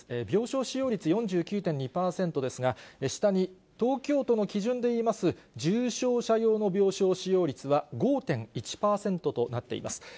病床使用率４９．２％ですが、下に、東京都の基準でいいます重症者用の病床使用率は５．１％となっています。